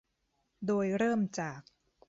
โดยเริ่มจาก